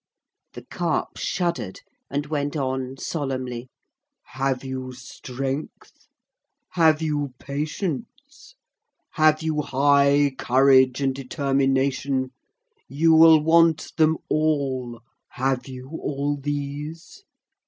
The Carp shuddered and went on solemnly, 'Have you strength? Have you patience? Have you high courage and determination? You will want them all. Have you all these?'